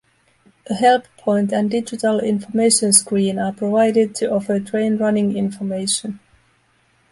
A help point and digital information screen are provided to offer train running information.